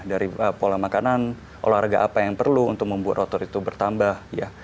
dari pola makanan olahraga apa yang perlu untuk membuat rotor itu bertambah ya